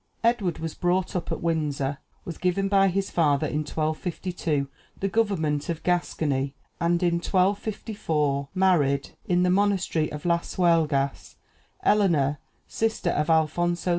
Edward was brought up at Windsor, was given by his father in 1252 the government of Gascony, and in 1254 married, in the monastery of Las Huelgas, Eleanor, sister of Alfonso X.